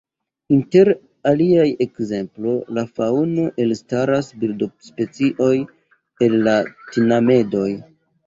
Inter aliaj ekzemplo de faŭno elstaras birdospecioj el la tinamedoj.